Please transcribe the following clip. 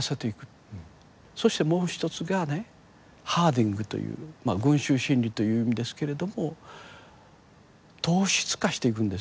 そしてもう一つがねハーディングという群集心理という意味ですけれども等質化していくんですよ。